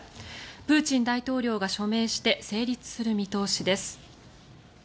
プーチン大統領が署名して成立する見通しです。